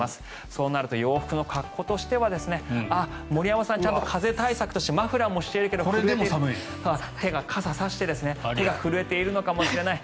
そうなると洋服の格好としては森山さん、ちゃんと風対策としてマフラーもしてるけど傘を差して手が震えているのかもしれない。